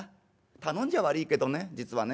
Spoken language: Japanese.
頼んじゃ悪いけどね実はね